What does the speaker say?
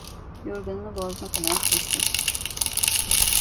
Yorganını boğazına kadar çekti.